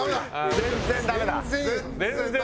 全然ダメだ痛え！